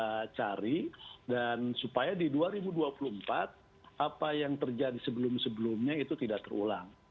kita cari dan supaya di dua ribu dua puluh empat apa yang terjadi sebelum sebelumnya itu tidak terulang